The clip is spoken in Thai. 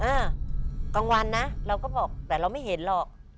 อ่ากลางวันนะเราก็บอกแต่เราไม่เห็นหรอก